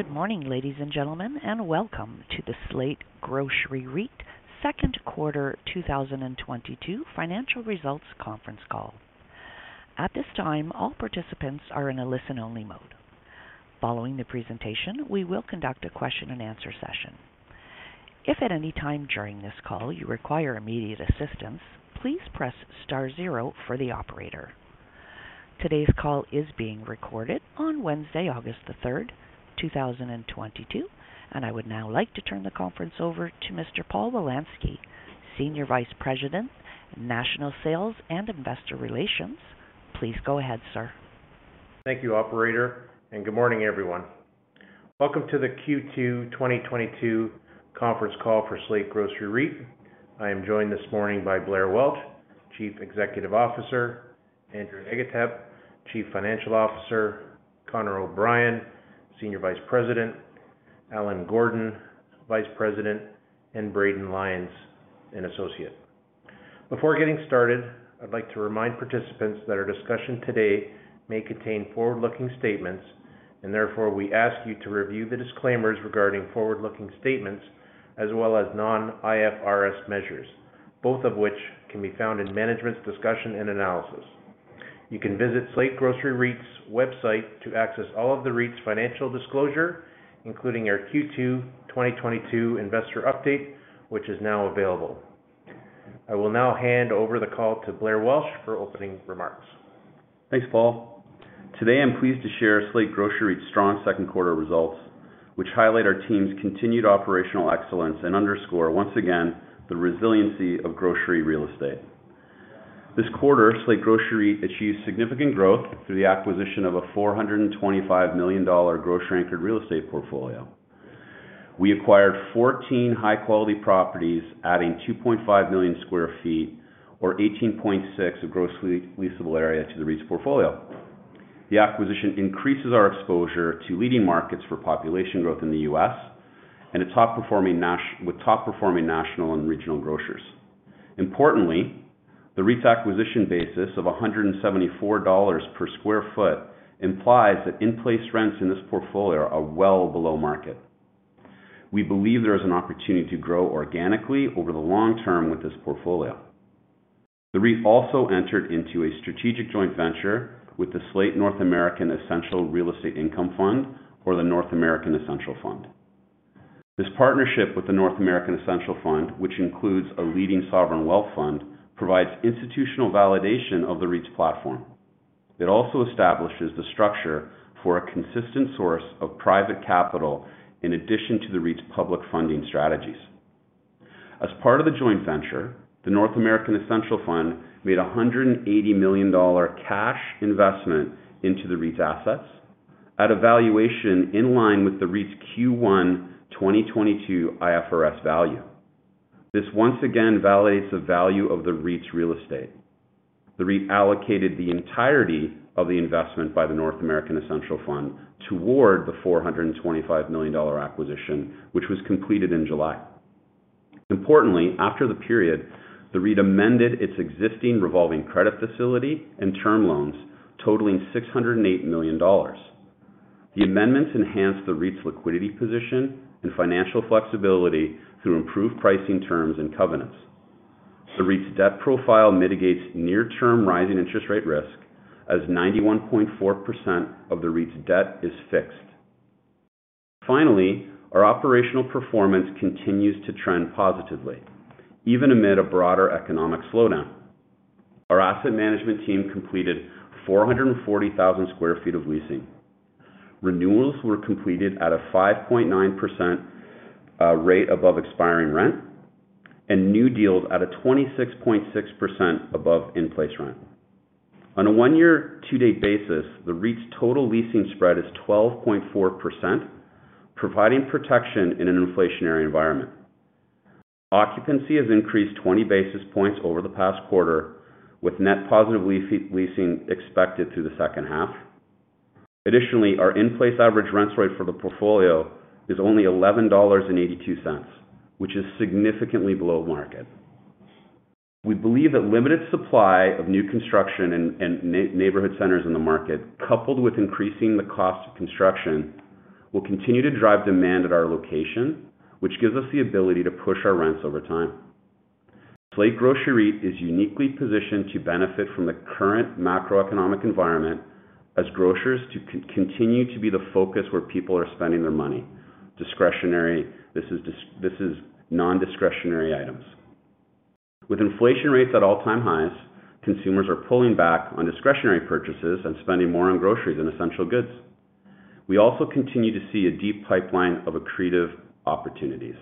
Good morning, ladies and gentlemen, and welcome to the Slate Grocery REIT second quarter 2022 financial results conference call. At this time, all participants are in a listen-only mode. Following the presentation, we will conduct a question-and-answer session. If at any time during this call you require immediate assistance, please press star zero for the operator. Today's call is being recorded on Wednesday, August 3rd, 2022, and I would now like to turn the conference over to Mr. Paul Wolanski, Senior Vice President, National Sales and Investor Relations. Please go ahead, sir. Thank you, operator, and good morning, everyone. Welcome to the Q2 2022 conference call for Slate Grocery REIT. I am joined this morning by Blair Welch, Chief Executive Officer, Andrew Agatep, Chief Financial Officer, Connor O'Brien, Senior Vice President, Allen Gordon, Vice President, and Braden Lyons, an associate. Before getting started, I'd like to remind participants that our discussion today may contain forward-looking statements, and therefore we ask you to review the disclaimers regarding forward-looking statements as well as non-IFRS measures, both of which can be found in management's discussion and analysis. You can visit Slate Grocery REIT's website to access all of the REIT's financial disclosure, including our Q2 2022 Investor Update, which is now available. I will now hand over the call to Blair Welch for opening remarks. Thanks, Paul. Today, I'm pleased to share Slate Grocery REIT's strong second quarter results, which highlight our team's continued operational excellence and underscore once again the resiliency of grocery real estate. This quarter, Slate Grocery achieved significant growth through the acquisition of a $425 million grocery-anchored real estate portfolio. We acquired 14 high-quality properties, adding 2.5 million sq ft or 18.6% of gross leasable area to the REIT's portfolio. The acquisition increases our exposure to leading markets for population growth in the U.S. and top performing national and regional grocers. Importantly, the REIT's acquisition basis of $174 per sq ft implies that in-place rents in this portfolio are well below market. We believe there is an opportunity to grow organically over the long term with this portfolio. The REIT also entered into a strategic joint venture with the Slate North American Essential Real Estate Income Fund or the North American Essential Fund. This partnership with the North American Essential Fund, which includes a leading sovereign wealth fund, provides institutional validation of the REIT's platform. It also establishes the structure for a consistent source of private capital in addition to the REIT's public funding strategies. As part of the joint venture, the North American Essential Fund made a $180 million cash investment into the REIT's assets at a valuation in line with the REIT's Q1 2022 IFRS value. This once again validates the value of the REIT's real estate. The REIT allocated the entirety of the investment by the North American Essential Fund toward the $425 million acquisition, which was completed in July. Importantly, after the period, the REIT amended its existing revolving credit facility and term loans totaling $608 million. The amendments enhanced the REIT's liquidity position and financial flexibility through improved pricing terms and covenants. The REIT's debt profile mitigates near-term rising interest rate risk as 91.4% of the REIT's debt is fixed. Finally, our operational performance continues to trend positively, even amid a broader economic slowdown. Our asset management team completed 440,000 sq ft of leasing. Renewals were completed at a 5.9% rate above expiring rent and new deals at a 26.6% above in-place rent. On a one-year to-date basis, the REIT's total leasing spread is 12.4%, providing protection in an inflationary environment. Occupancy has increased 20 basis points over the past quarter with net positive leasing expected through the second half. Additionally, our in-place average rent rate for the portfolio is only $11.82, which is significantly below market. We believe that limited supply of new construction and neighborhood centers in the market, coupled with increasing the cost of construction, will continue to drive demand at our location, which gives us the ability to push our rents over time. Slate Grocery REIT is uniquely positioned to benefit from the current macroeconomic environment as grocers continue to be the focus where people are spending their money. This is non-discretionary items. With inflation rates at all-time highs, consumers are pulling back on discretionary purchases and spending more on groceries and essential goods. We also continue to see a deep pipeline of accretive opportunities.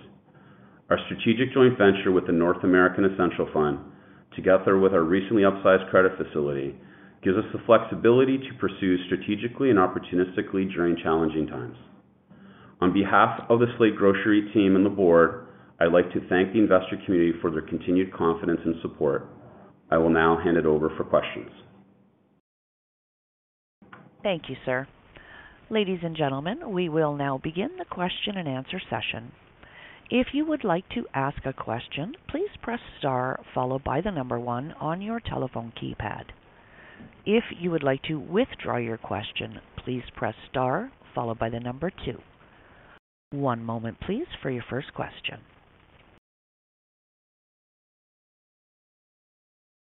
Our strategic joint venture with the North American Essential Fund, together with our recently upsized credit facility, gives us the flexibility to pursue strategically and opportunistically during challenging times. On behalf of the Slate Grocery team and the Board, I'd like to thank the investor community for their continued confidence and support. I will now hand it over for questions. Thank you, sir. Ladies and gentlemen, we will now begin the question-and-answer session. If you would like to ask a question, please press star followed by the number one on your telephone keypad. If you would like to withdraw your question, please press star followed by the number two. One moment, please, for your first question.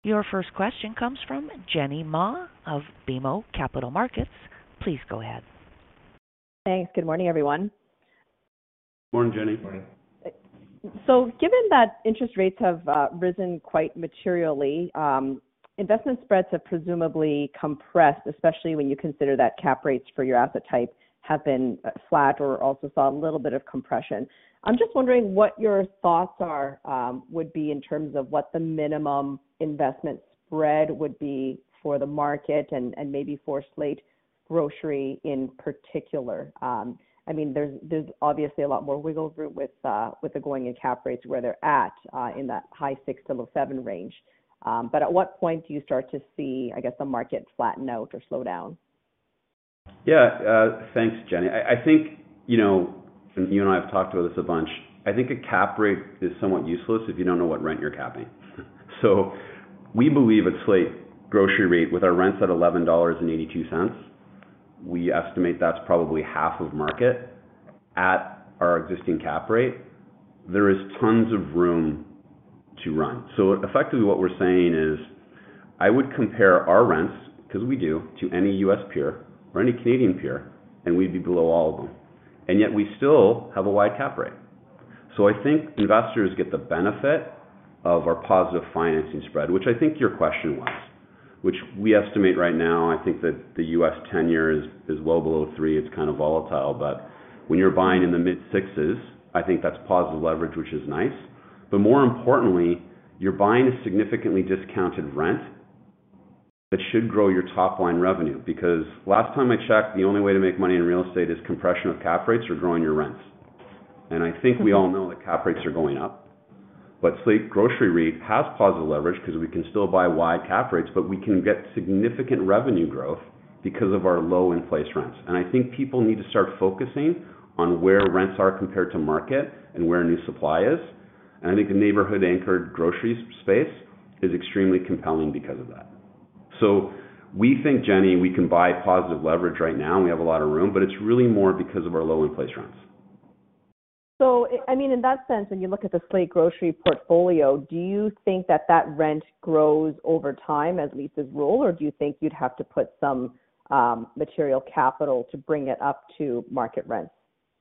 Your first question comes from Jenny Ma of BMO Capital Markets. Please go ahead. Thanks. Good morning, everyone. Morning, Jenny. Morning. Given that interest rates have risen quite materially, investment spreads have presumably compressed, especially when you consider that cap rates for your asset type have been flat or also saw a little bit of compression. I'm just wondering what your thoughts are, would be in terms of what the minimum investment spread would be for the market and maybe for Slate Grocery in particular. I mean, there's obviously a lot more wiggle room with the going-in cap rates where they're at, in that high 6% to low 7% range. But at what point do you start to see, I guess, the market flatten out or slow down? Yeah. Thanks, Jenny. I think, you know, and you and I have talked about this a bunch. I think a cap rate is somewhat useless if you don't know what rent you're capping. We believe at Slate Grocery REIT, with our rents at $11.82, we estimate that's probably half of market. At our existing cap rate, there is tons of room to run. Effectively what we're saying is, I would compare our rents, 'cause we do, to any U.S. peer or any Canadian peer, and we'd be below all of them, and yet we still have a wide cap rate. I think investors get the benefit of our positive financing spread, which I think your question was, which we estimate right now, I think that the U.S. 10-year is well below 3%. It's kind of volatile, but when you're buying in the mid-6, I think that's positive leverage, which is nice. More importantly, you're buying significantly discounted rent that should grow your top-line revenue. Because last time I checked, the only way to make money in real estate is compression of cap rates or growing your rents. I think we all know that cap rates are going up. Slate Grocery REIT has positive leverage 'cause we can still buy wide cap rates, but we can get significant revenue growth because of our low in-place rents. I think people need to start focusing on where rents are compared to market and where new supply is. I think the neighborhood-anchored grocery space is extremely compelling because of that. We think, Jenny, we can buy positive leverage right now, and we have a lot of room, but it's really more because of our low in-place rents. I mean, in that sense, when you look at the Slate Grocery portfolio, do you think that rent grows over time as leases roll? Or do you think you'd have to put some material capital to bring it up to market rents?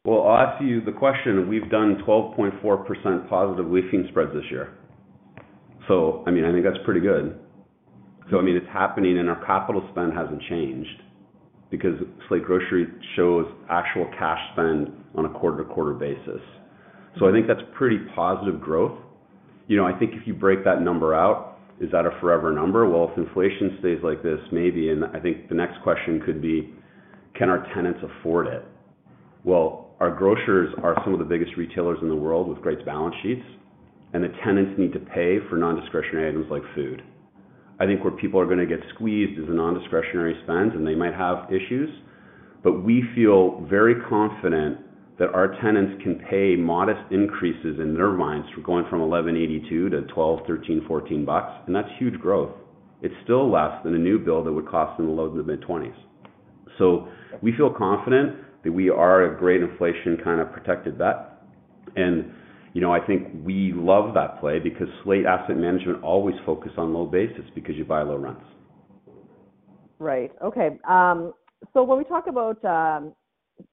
Well, I'll ask you the question. We've done 12.4% positive leasing spreads this year. I mean, I think that's pretty good. I mean, it's happening, and our capital spend hasn't changed because Slate Grocery shows actual cash spend on a quarter-over-quarter basis. I think that's pretty positive growth. You know, I think if you break that number out, is that a forever number? Well, if inflation stays like this, maybe. I think the next question could be. Can our tenants afford it? Well, our grocers are some of the biggest retailers in the world with great balance sheets, and the tenants need to pay for non-discretionary items like food. I think where people are gonna get squeezed is the non-discretionary spend, and they might have issues, but we feel very confident that our tenants can pay modest increases in their minds from going from $11.82 to $12, $13, $14 bucks, and that's huge growth. It's still less than a new build that would cost them in the low to mid-$20s. We feel confident that we are a great inflation, kind of, protected bet. You know, I think we love that play because Slate Asset Management always focus on low basis because you buy low rents. Right. Okay. When we talk about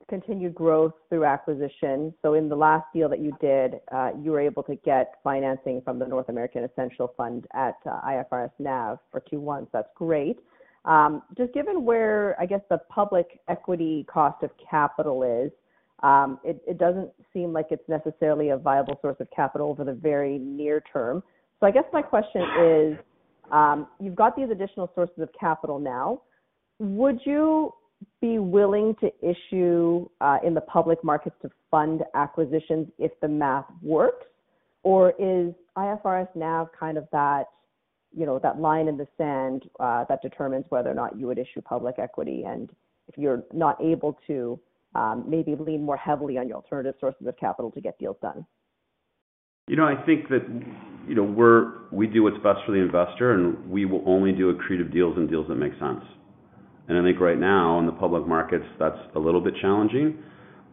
continued growth through acquisition, in the last deal that you did, you were able to get financing from the North American Essential Fund at IFRS NAV for 2.1x. That's great. Just given where, I guess, the public equity cost of capital is, it doesn't seem like it's necessarily a viable source of capital over the very near term. I guess my question is, you've got these additional sources of capital now, would you be willing to issue in the public markets to fund acquisitions if the math works? Is IFRS NAV kind of that, you know, that line in the sand, that determines whether or not you would issue public equity and if you're not able to, maybe lean more heavily on your alternative sources of capital to get deals done? You know, I think that, you know, we do what's best for the investor, and we will only do accretive deals and deals that make sense. I think right now in the public markets, that's a little bit challenging,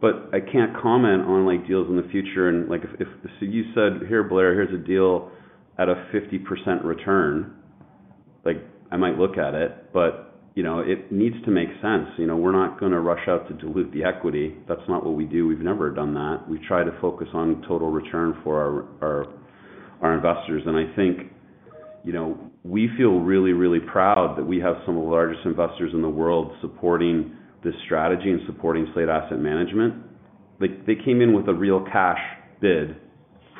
but I can't comment on, like, deals in the future. Like, if, say, you said, "Here, Blair, here's a deal at a 50% return," like, I might look at it, but, you know, it needs to make sense. You know, we're not gonna rush out to dilute the equity. That's not what we do. We've never done that. We try to focus on total return for our investors. I think, you know, we feel really, really proud that we have some of the largest investors in the world supporting this strategy and supporting Slate Asset Management. Like, they came in with a real cash bid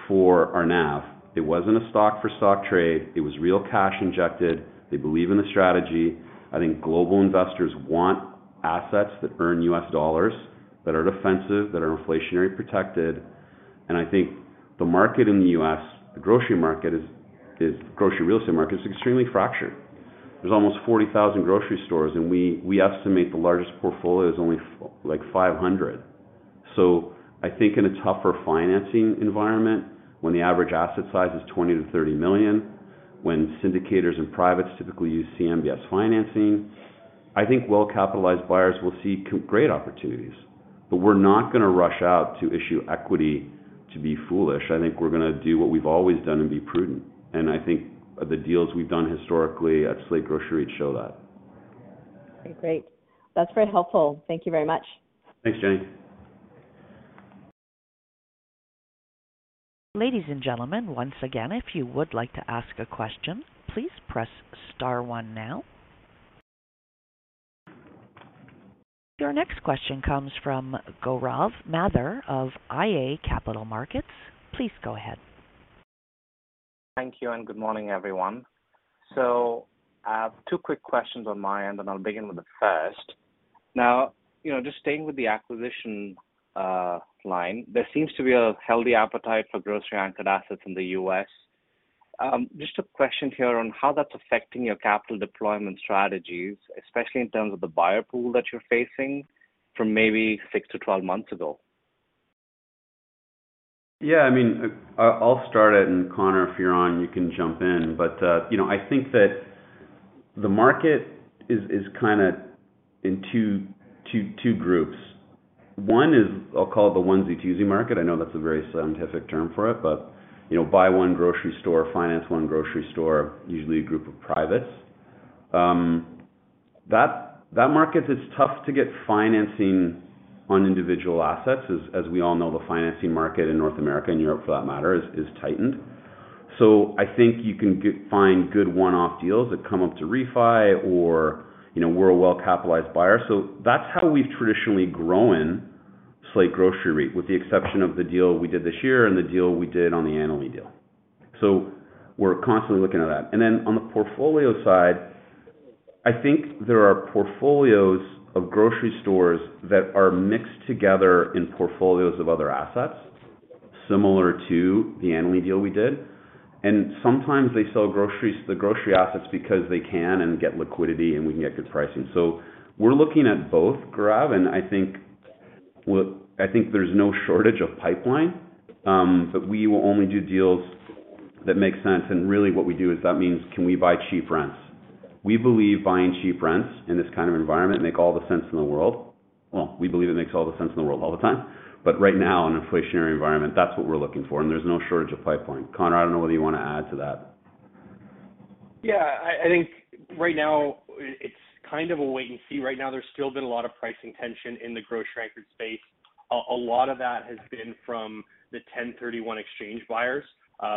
for our NAV. It wasn't a stock for stock trade. It was real cash injected. They believe in the strategy. I think global investors want assets that earn U.S. dollars, that are defensive, that are inflation protected. I think the market in the U.S., the grocery real estate market is extremely fractured. There's almost 40,000 grocery stores, and we estimate the largest portfolio is only like 500. I think in a tougher financing environment, when the average asset size is $20 million-$30 million, when syndicators and privates typically use CMBS financing, I think well-capitalized buyers will see great opportunities. We're not gonna rush out to issue equity to be foolish. I think we're gonna do what we've always done and be prudent. I think the deals we've done historically at Slate Grocery show that. Okay, great. That's very helpful. Thank you very much. Thanks, Jenny. Ladies and gentlemen, once again, if you would like to ask a question, please press star one now. Your next question comes from Gaurav Mathur of iA Capital Markets. Please go ahead. Thank you, and good morning, everyone. Two quick questions on my end, and I'll begin with the first. Now, you know, just staying with the acquisition line, there seems to be a healthy appetite for grocery-anchored assets in the U.S. Just a question here on how that's affecting your capital deployment strategies, especially in terms of the buyer pool that you're facing from maybe six to 12 months ago. I mean, I'll start it, and Connor, if you're on, you can jump in. You know, I think that the market is kind of in two groups. One is I'll call it the onesie-twosie market. I know that's a very scientific term for it. You know, buy one grocery store, finance one grocery store, usually a group of privates. That market is tough to get financing on individual assets. As we all know, the financing market in North America and Europe for that matter is tightened. I think you can find good one-off deals that come up to refi or, you know, we're a well-capitalized buyer. That's how we've traditionally grown Slate Grocery, with the exception of the deal we did this year and the deal we did on the Annaly deal. We're constantly looking at that. Then on the portfolio side, I think there are portfolios of grocery stores that are mixed together in portfolios of other assets similar to the Annaly deal we did. Sometimes they sell the grocery assets because they can and get liquidity, and we can get good pricing. We're looking at both, Gaurav, and I think there's no shortage of pipeline. We will only do deals that make sense. Really what we do is that means can we buy cheap rents? We believe buying cheap rents in this kind of environment make all the sense in the world. Well, we believe it makes all the sense in the world all the time. Right now, in an inflationary environment, that's what we're looking for, and there's no shortage of pipeline. Connor, I don't know whether you want to add to that. Yeah. I think right now it's kind of a wait and see. Right now, there's still been a lot of pricing tension in the grocery-anchored space. A lot of that has been from the 1031 exchange buyers,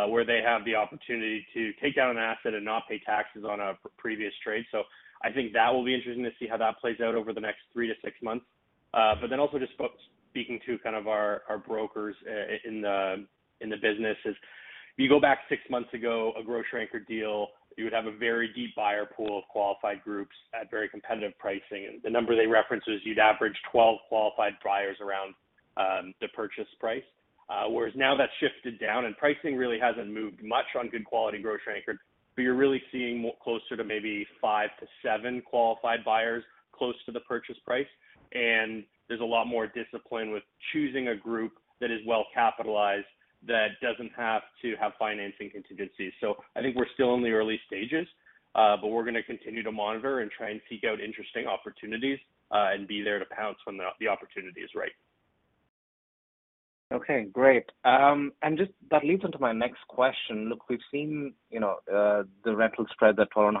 where they have the opportunity to take down an asset and not pay taxes on a previous trade. I think that will be interesting to see how that plays out over the next three-six months. Speaking to kind of our brokers in the business, if you go back six months ago, a grocery anchor deal, you would have a very deep buyer pool of qualified groups at very competitive pricing. The number they referenced is you'd average 12 qualified buyers around the purchase price. Whereas now that's shifted down, and pricing really hasn't moved much on good quality grocery-anchored. You're really seeing more closer to maybe five to seven qualified buyers close to the purchase price. There's a lot more discipline with choosing a group that is well capitalized, that doesn't have to have financing contingencies. I think we're still in the early stages, but we're gonna continue to monitor and try and seek out interesting opportunities, and be there to pounce when the opportunity is right. Okay, great. Just that leads into my next question. Look, we've seen, you know, the rental spread at 2.5%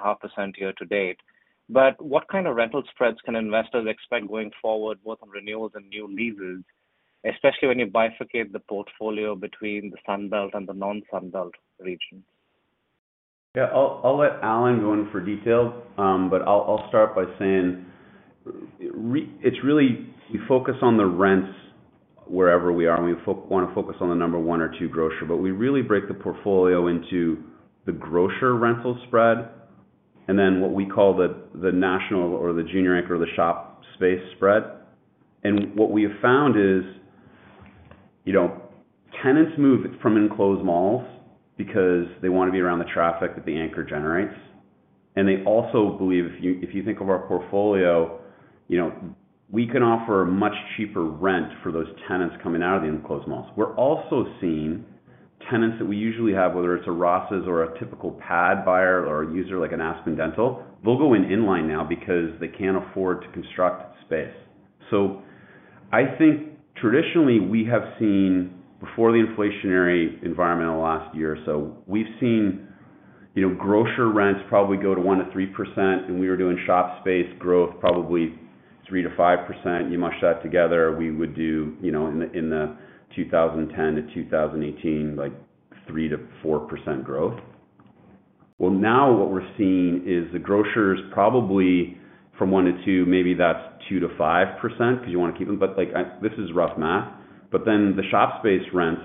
year-to-date. What kind of rental spreads can investors expect going forward, both on renewals and new leases, especially when you bifurcate the portfolio between the Sun Belt and the non-Sun Belt regions? Yeah. I'll let Allen go in for details. I'll start by saying it's really we focus on the rents wherever we are. We want to focus on the number one or two grocer. We really break the portfolio into the grocer rental spread and then what we call the national or the junior anchor or the shop space spread. What we have found is, you know, tenants move from enclosed malls because they want to be around the traffic that the anchor generates. They also believe, if you think of our portfolio, you know, we can offer a much cheaper rent for those tenants coming out of the enclosed malls. We're also seeing tenants that we usually have, whether it's a Ross or a typical pad buyer or a user like an Aspen Dental, they'll go in inline now because they can't afford to construct space. I think traditionally we have seen, before the inflationary environment in the last year or so, we've seen, you know, grocer rents probably go to 1%-3%, and we were doing shop space growth probably 3%-5%. You mush that together, we would do, you know, in the 2010 to 2018, like 3%-4% growth. Well, now what we're seeing is the grocers probably from 1%-2%, maybe that's 2%-5% because you want to keep them. Like, this is rough math. Then the shop space rents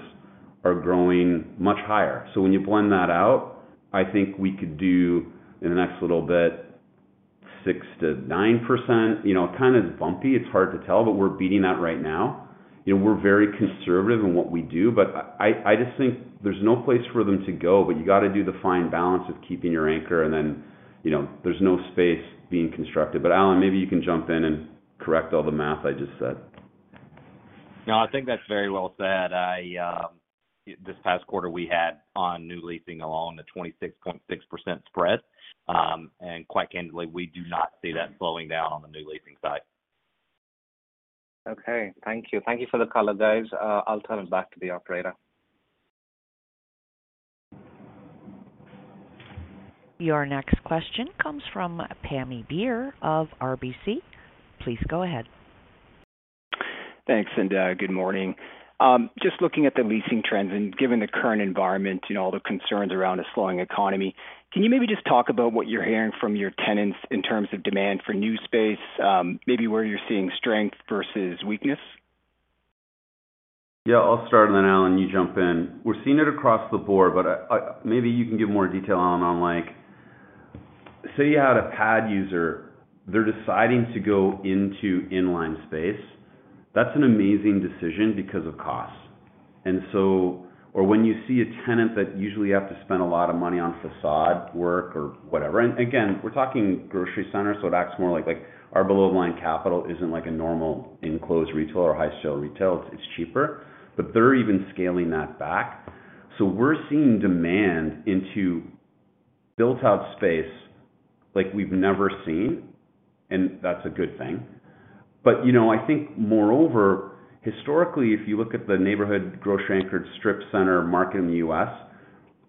are growing much higher. When you blend that out, I think we could do in the next little bit 6%-9%. You know, kind of bumpy. It's hard to tell, but we're beating that right now. You know, we're very conservative in what we do, but I just think there's no place for them to go. You got to do the fine balance of keeping your anchor and then. You know, there's no space being constructed. Allen, maybe you can jump in and correct all the math I just said. No, I think that's very well said. I this past quarter we had on new leasing alone a 26.6% spread. Quite candidly, we do not see that slowing down on the new leasing side. Okay, thank you. Thank you for the color, guys. I'll turn it back to the operator. Your next question comes from Pammi Bir of RBC. Please go ahead. Thanks, and good morning. Just looking at the leasing trends and given the current environment and all the concerns around a slowing economy, can you maybe just talk about what you're hearing from your tenants in terms of demand for new space, maybe where you're seeing strength versus weakness? Yeah, I'll start, and then Allen, you jump in. We're seeing it across the board, but maybe you can give more detail, Allen, on like, say you had a pad user, they're deciding to go into inline space. That's an amazing decision because of costs. Or when you see a tenant that usually you have to spend a lot of money on façade work or whatever. Again, we're talking grocery centers, so it acts more like our below the line capital isn't like a normal enclosed retail or high shell retail. It's cheaper, but they're even scaling that back. We're seeing demand into built out space like we've never seen, and that's a good thing. You know, I think moreover, historically, if you look at the neighborhood grocery-anchored strip center market in the U.S.,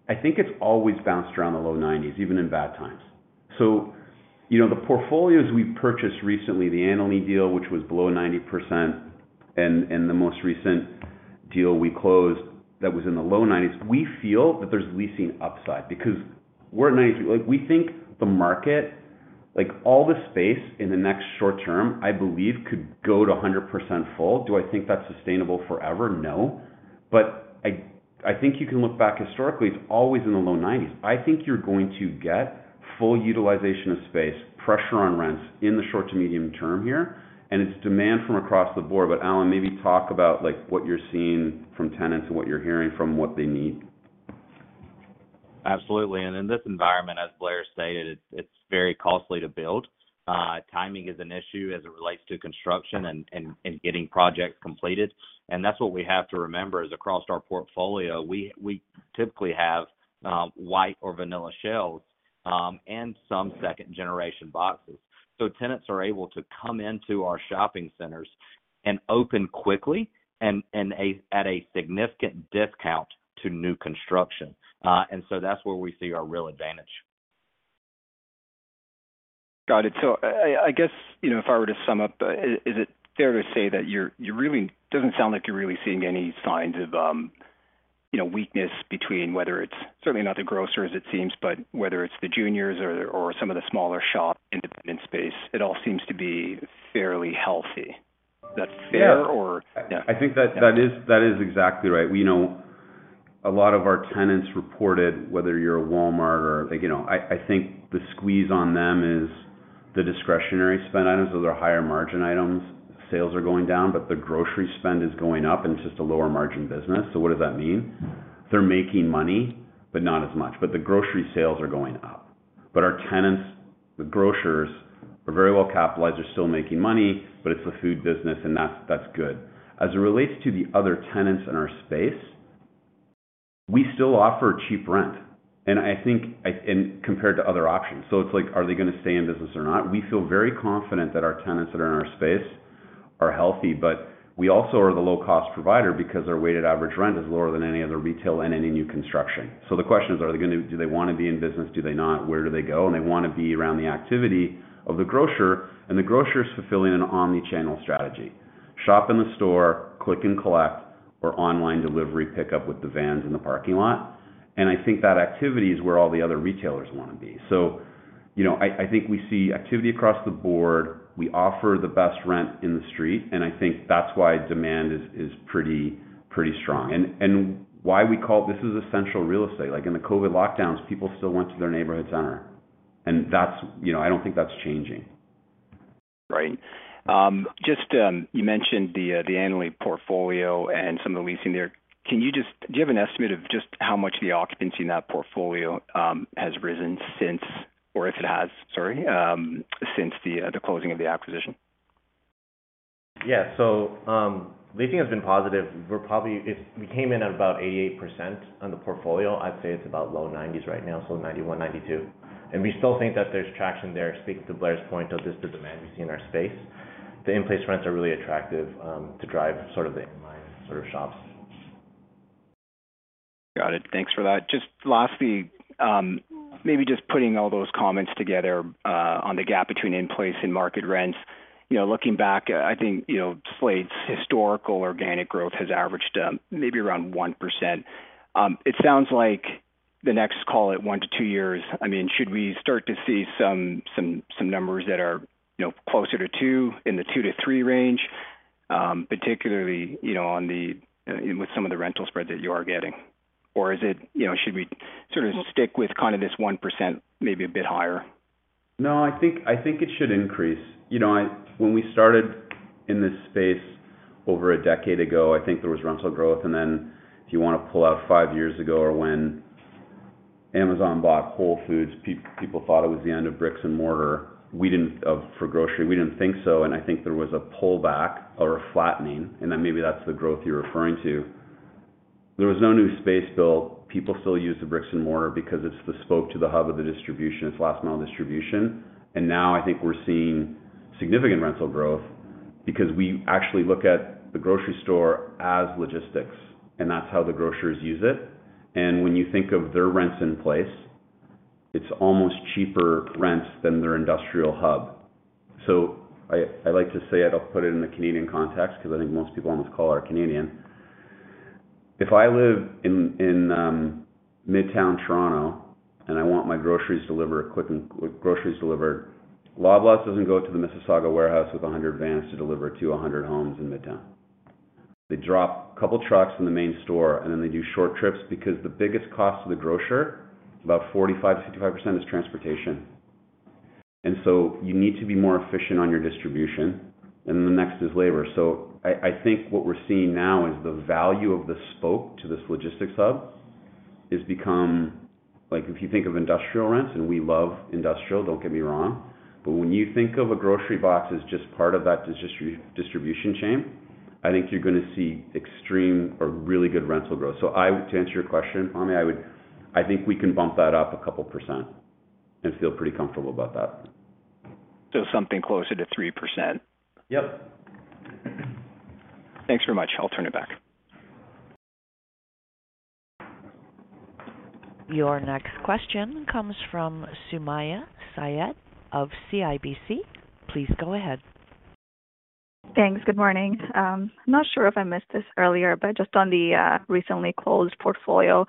I think it's always bounced around the low 90s, even in bad times. You know, the portfolios we purchased recently, the Annaly deal, which was below 90% and the most recent deal we closed that was in the low 90s. We feel that there's leasing upside because we're at 90%. Like, we think the market, like, all the space in the next short term, I believe, could go to 100% full. Do I think that's sustainable forever? No. I think you can look back historically, it's always in the low 90s. I think you're going to get full utilization of space, pressure on rents in the short to medium term here, and it's demand from across the board. Allen, maybe talk about like what you're seeing from tenants and what you're hearing from what they need. Absolutely. In this environment, as Blair stated, it's very costly to build. Timing is an issue as it relates to construction and getting projects completed. That's what we have to remember, is across our portfolio, we typically have white or vanilla shells and some second-generation boxes. Tenants are able to come into our shopping centers and open quickly and at a significant discount to new construction. That's where we see our real advantage. Got it. I guess, you know, if I were to sum up, is it fair to say that doesn't sound like you're really seeing any signs of, you know, weakness between whether it's certainly not the grocers, it seems, but whether it's the juniors or some of the smaller shop independent space, it all seems to be fairly healthy. That's fair, or? Yeah. I think that is exactly right. We know a lot of our tenants reported whether you're a Walmart or like, you know, I think the squeeze on them is the discretionary spend items. Those are higher margin items. Sales are going down, but the grocery spend is going up, and it's just a lower margin business. What does that mean? They're making money, but not as much. But the grocery sales are going up. But our tenants, the grocers, are very well capitalized. They're still making money, but it's the food business, and that's good. As it relates to the other tenants in our space, we still offer cheap rent, and I think, and compared to other options. It's like, are they gonna stay in business or not? We feel very confident that our tenants that are in our space are healthy, but we also are the low cost provider because our weighted average rent is lower than any other retail and any new construction. The question is: Do they wanna be in business? Do they not? Where do they go? They wanna be around the activity of the grocer, and the grocer is fulfilling an omnichannel strategy. Shop in the store, click and collect, or online delivery pickup with the vans in the parking lot. I think that activity is where all the other retailers wanna be. You know, I think we see activity across the board. We offer the best rent in the street, and I think that's why demand is pretty strong and why we call this essential real estate. Like, in the COVID lockdowns, people still went to their neighborhood center, and that's, you know, I don't think that's changing. Right. Just, you mentioned the Annaly portfolio and some of the leasing there. Do you have an estimate of just how much the occupancy in that portfolio has risen since, or if it has, sorry, since the closing of the acquisition? Yeah. Leasing has been positive. We came in at about 88% on the portfolio. I'd say it's about low 90s right now, so 91%, 92%. We still think that there's traction there, speaking to Blair's point of just the demand we see in our space. The in-place rents are really attractive to drive sort of the inline sort of shops. Got it. Thanks for that. Just lastly, maybe just putting all those comments together, on the gap between in-place and market rents. You know, looking back, I think, you know, Slate's historical organic growth has averaged, maybe around 1%. It sounds like the next, call it one to two years, I mean, should we start to see some numbers that are, you know, closer to 2%, in the 2%-3% range, particularly, you know, on the with some of the rental spreads that you are getting? Or is it, you know, should we sort of stick with kind of this 1%, maybe a bit higher? No, I think it should increase. You know, when we started in this space over a decade ago, I think there was rental growth. Then if you wanna pull out five years ago or when Amazon bought Whole Foods, people thought it was the end of bricks and mortar. For grocery, we didn't think so, and I think there was a pullback or a flattening, and then maybe that's the growth you're referring to. There was no new space built. People still use the bricks and mortar because it's the spoke to the hub of the distribution. It's last mile distribution. Now I think we're seeing significant rental growth because we actually look at the grocery store as logistics, and that's how the grocers use it. When you think of their rents in place, it's almost cheaper rents than their industrial hub. I like to say it, I'll put it in the Canadian context because I think most people on this call are Canadian. If I live in Midtown Toronto, and I want my groceries delivered quick, Loblaws doesn't go to the Mississauga warehouse with 100 vans to deliver to 100 homes in Midtown. They drop a couple trucks in the main store, and then they do short trips because the biggest cost to the grocer, about 45%-65%, is transportation. You need to be more efficient on your distribution, and the next is labor. I think what we're seeing now is the value of the spoke to this logistics hub has become. Like if you think of industrial rents, and we love industrial, don't get me wrong. When you think of a grocery box as just part of that distribution chain, I think you're gonna see extreme or really good rental growth. To answer your question, Pammi, I think we can bump that up a 2% and feel pretty comfortable about that. Something closer to 3%? Yep. Thanks very much. I'll turn it back. Your next question comes from Sumayya Syed of CIBC. Please go ahead. Thanks. Good morning. Not sure if I missed this earlier, but just on the recently closed portfolio,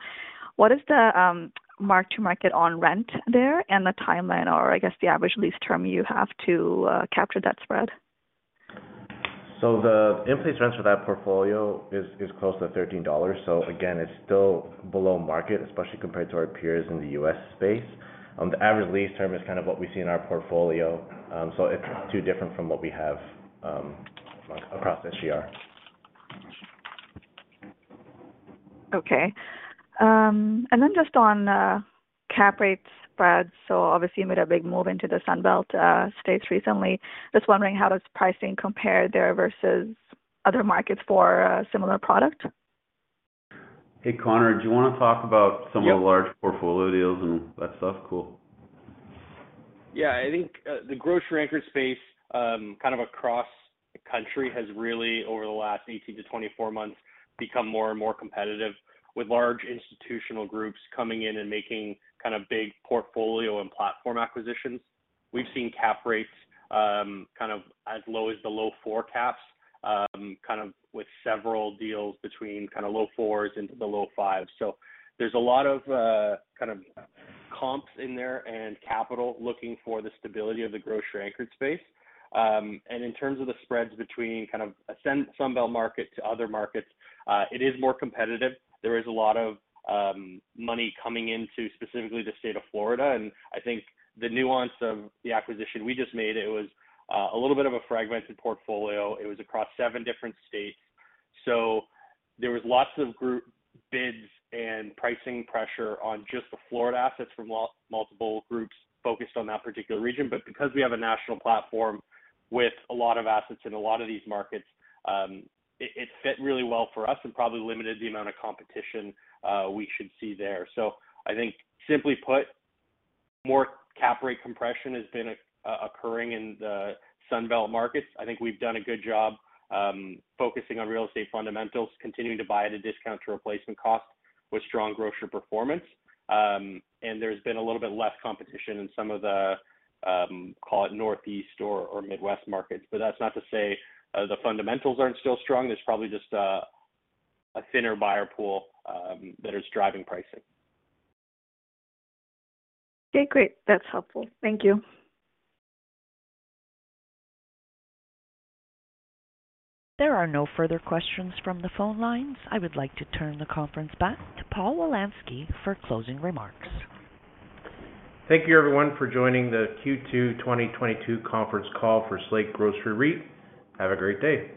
what is the mark-to-market on rent there and the timeline or I guess the average lease term you have to capture that spread? The in-place rent for that portfolio is close to $13. Again, it's still below market, especially compared to our peers in the U.S. space. The average lease term is kind of what we see in our portfolio. It's not too different from what we have across the REIT. Cap rate spreads. Obviously you made a big move into the Sun Belt states recently. Just wondering how does pricing compare there versus other markets for similar product. Hey, Connor, do you wanna talk about some? Yes. of the large portfolio deals and that stuff? Cool. Yeah. I think the grocery anchored space kind of across the country has really over the last 18-24 months become more and more competitive with large institutional groups coming in and making kind of big portfolio and platform acquisitions. We've seen cap rates kind of as low as the low 4% cap rates kind of with several deals between kind of low 4% to the low 5%. There's a lot of kind of comps in there and capital looking for the stability of the grocery anchored space. In terms of the spreads between kind of a Sun Belt market to other markets, it is more competitive. There is a lot of money coming into specifically the state of Florida. I think the nuance of the acquisition we just made, it was a little bit of a fragmented portfolio. It was across seven different states. There was lots of group bids and pricing pressure on just the Florida assets from multiple groups focused on that particular region. Because we have a national platform with a lot of assets in a lot of these markets, it fit really well for us and probably limited the amount of competition we should see there. I think simply put, more cap rate compression has been occurring in the Sun Belt markets. I think we've done a good job focusing on real estate fundamentals, continuing to buy at a discount to replacement cost with strong grocer performance. There's been a little bit less competition in some of the, call it Northeast or Midwest markets. That's not to say, the fundamentals aren't still strong. There's probably just a thinner buyer pool that is driving pricing. Okay, great. That's helpful. Thank you. There are no further questions from the phone lines. I would like to turn the conference back to Paul Wolanski for closing remarks. Thank you everyone for joining the Q2 2022 conference call for Slate Grocery REIT. Have a great day.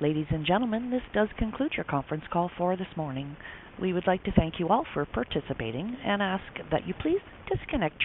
Ladies and gentlemen, this does conclude your conference call for this morning. We would like to thank you all for participating and ask that you please disconnect your lines.